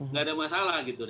nggak ada masalah gitu